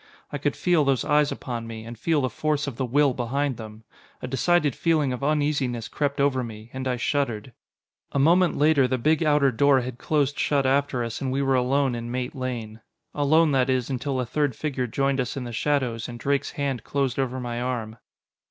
I could feel those eyes upon me, and feel the force of the will behind them. A decided feeling of uneasiness crept over me, and I shuddered. A moment later the big outer door had closed shut after us, and we were alone in Mate Lane. Alone, that is, until a third figure joined us in the shadows, and Drake's hand closed over my arm.